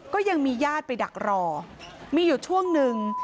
ก็ยังมีญาติไปดักรอมีอยู่ช่วงหนึ่ง